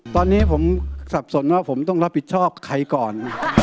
ตอนนี้ผมสับสนว่าผมต้องรับผิดชอบใครก่อน